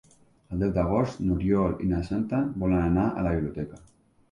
El deu d'agost n'Oriol i na Sança volen anar a la biblioteca.